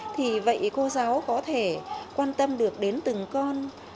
thì vậy cô giáo có thể quan tâm được đến từng con